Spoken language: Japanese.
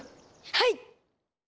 はい！